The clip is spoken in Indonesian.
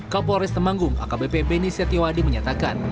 kapolres temanggung akbp beni setiwadi menyatakan